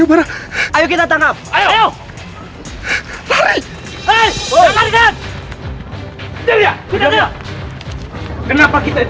apakah cara kau menghalati kebanjiran spentia ini